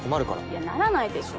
いやならないでしょ。